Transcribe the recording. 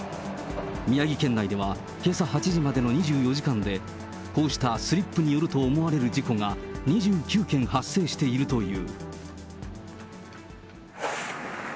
宮城県内ではけさ８時までの２４時間で、こうしたスリップによると思われる事故が２９件発生しているという。